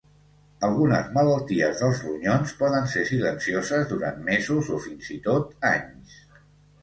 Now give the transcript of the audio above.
Algunes malalties dels ronyons poden ser silencioses durant mesos o fins i tot anys.